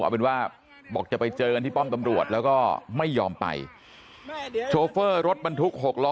เอาเป็นว่าบอกจะไปเจอกันที่ป้อมตำรวจแล้วก็ไม่ยอมไปโชเฟอร์รถบรรทุกหกล้อ